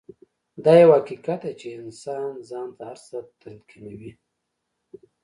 دا يو حقيقت دی چې انسان ځان ته هر څه تلقينوي.